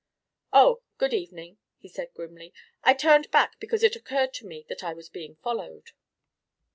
"Oh, good evening," he said grimly. "I turned back because it occurred to me that I was being followed."